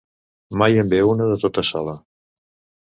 Mai en ve una de tota sola.